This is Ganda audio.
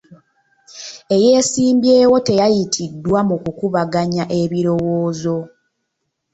Eyeesimbyewo teyayitiddwa mu kukubaganya ebirowoozo.